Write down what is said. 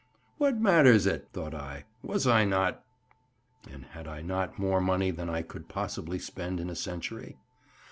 'What matters it,' thought I; 'was I not —, and had I not more money than I could possibly spend in a century?